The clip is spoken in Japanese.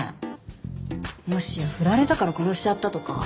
もしや振られたから殺しちゃったとか？